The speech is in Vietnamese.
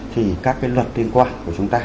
thì các cái luật tiên qua của chúng ta